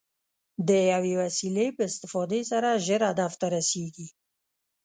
د یوې وسیلې په استفادې سره ژر هدف ته رسېږي.